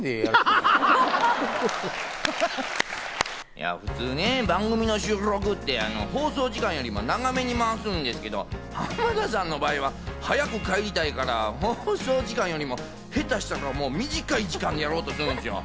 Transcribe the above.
いや普通ね、番組の収録って放送時間よりも長めに回すんすけど、浜田さんの場合は早く帰りたいから、放送時間よりも下手したら短い時間でやろうとするんすよ。